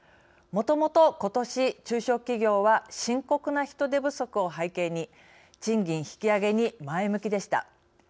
もともと、ことし、中小企業は深刻な人手不足を背景に賃金引き上げに前向きでした。